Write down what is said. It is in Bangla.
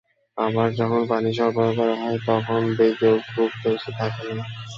আবার যখন পানি সরবরাহ করা হয়, তখন বেগও খুব বেশি থাকে না।